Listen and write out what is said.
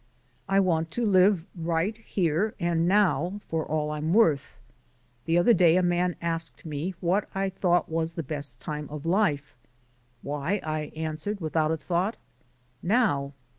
I want to live right here and now for all I'm worth. The other day a man asked me what I thought was the best time of life. 'Why,' I answered without a thought, 'Now.'